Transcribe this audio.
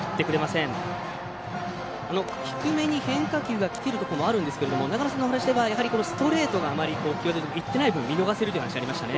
低めに変化球がきているところもあるんですが長野さんの話ではストレートがいってない分見逃せるというお話がありました。